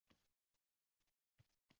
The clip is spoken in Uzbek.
She’r bu– millatning dardi.